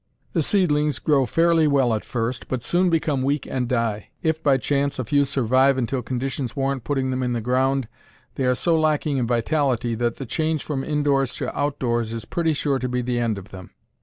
The seedlings grow fairly well at first, but soon become weak and die. If, by chance, a few survive until conditions warrant putting them in the ground, they are so lacking in vitality that the change from indoors to outdoors is pretty sure to be the end of them.